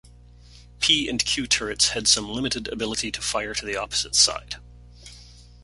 'P' and 'Q' turrets had some limited ability to fire to the opposite side.